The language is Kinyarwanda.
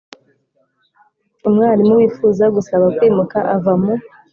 Umwarimu wifuza gusaba kwimuka ava mu